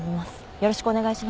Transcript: よろしくお願いします。